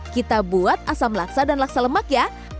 kita buat asam laksa dan laksa lemak ya